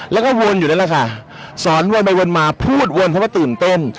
แล้วก็วนอยู่นั่นแหละค่ะสอนวนไปวนมาพูดวนเพราะว่าตื่นเต้น